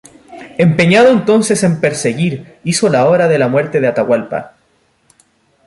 Empeñado entonces en perseguir hizo la obra de la muerte de Atahualpa.